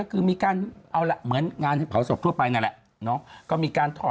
กุยกันแล้วเหรอค่ะ